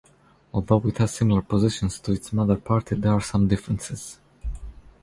Although it has similar positions to its motherparty, there are some differences.